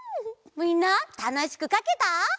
みんなたのしくかけた？